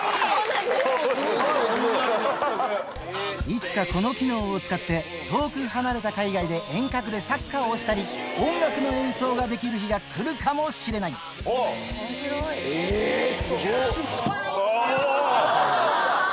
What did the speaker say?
いつかこの機能を使って遠く離れた海外で遠隔でサッカーをしたり音楽の演奏ができる日が来るかもしれないすごっ！